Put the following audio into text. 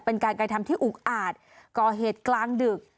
เป็นการกระทำที่อุกอาจก่อเหตุกลางดึก